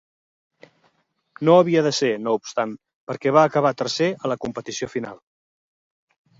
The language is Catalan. No havia de ser, no obstant, perquè va acabar tercer a la competició final.